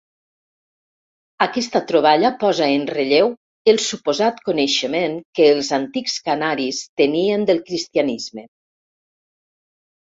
Aquesta troballa posa en relleu el suposat coneixement que els antics canaris tenien del cristianisme.